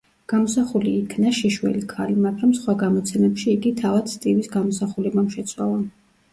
გამოსახული იქნა შიშველი ქალი, მაგრამ სხვა გამოცემებში იგი თავად სტივის გამოსახულებამ შეცვალა.